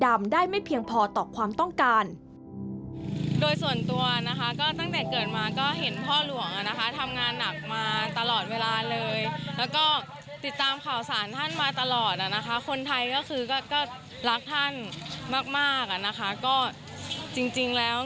ได้ไม่เพียงพอต่อความต้องการ